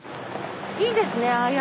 いいですねああ